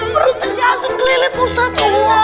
perutnya si asal kelilit pak ustadz